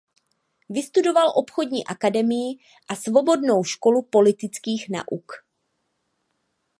Vystudoval obchodní akademii a Svobodnou školu politických nauk.